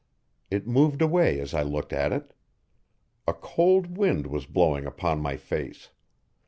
It moved away as I looked at it. A cold wind was blowing upon my face.